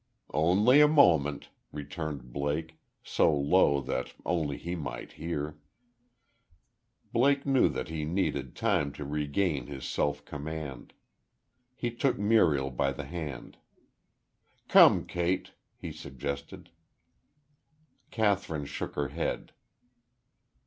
"Only a moment," returned Blake, so low that only he might hear. Blake knew that he needed time to regain his self command. He took Muriel by the hand. "Come, Kate," he suggested. Kathryn shook her head.